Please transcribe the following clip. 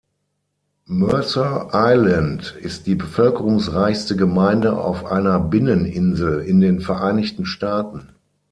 Mercer Island ist die bevölkerungsreichste Gemeinde auf einer Binneninsel in den Vereinigten Staaten.